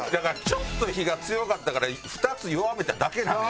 ちょっと火が強かったから２つ弱めただけなのよ。